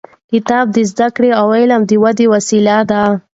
کتاب د زده کړې او علم د ودې وسیله ده.